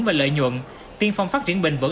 và lợi nhuận tiên phong phát triển bình vẩn